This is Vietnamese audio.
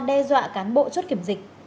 đe dọa cán bộ chốt kiểm dịch